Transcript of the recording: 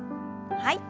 はい。